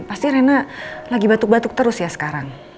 pasti rena lagi batuk batuk terus ya sekarang